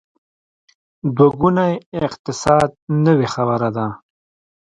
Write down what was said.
دوه ګونی اقتصاد نوې خبره ده.